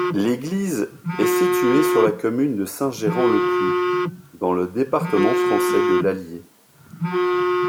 L'église est située sur la commune de Saint-Gérand-le-Puy, dans le département français de l'Allier.